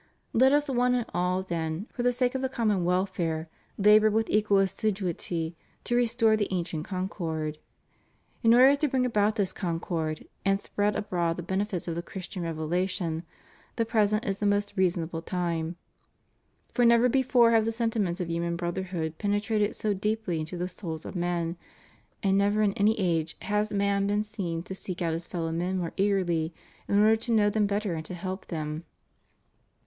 Let us one and all, then, for the sake of the common welfare, labor with equal assiduity to restore the ancient concord. In order to bring about this concord, and spread abroad the benefits of the Christian revelation, the present is the most seasonable time; for never before have the sentiments of human brotherhood penetrated so deeply into the souls of men, and never in any age has THE REUNION OF CHRISTENDOM. 319 man been seen to seek out his fellowmen more eagerly in order to know them better and to help them.